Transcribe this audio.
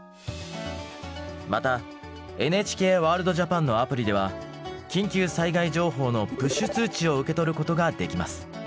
またＮＨＫワールドＪＡＰＡＮのアプリでは緊急災害情報のプッシュ通知を受け取ることができます。